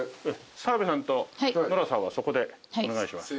澤部さんとノラさんはそこでお願いします。